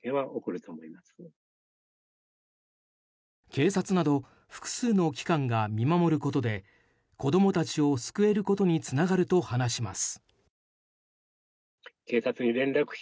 警察など複数の機関が見守ることで子供たちを救えることにつながると話します。